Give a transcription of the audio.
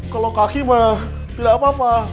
kalau kaki mah tidak apa apa